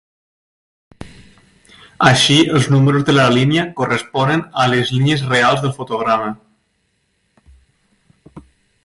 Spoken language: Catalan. Així els números de la línia corresponen a les línies reals del fotograma.